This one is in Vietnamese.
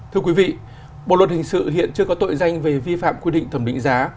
thưa quý vị bộ luật hình sự hiện chưa có tội danh về vi phạm quy định thẩm định giá